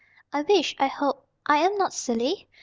I wish (I hope I am not silly?)